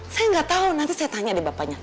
saya gak tau nanti saya tanya deh bapaknya